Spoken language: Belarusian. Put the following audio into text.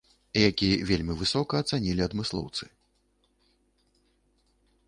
Які вельмі высока ацанілі адмыслоўцы.